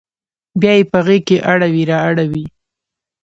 بیا یې په غیږ کې اړوي را اوړي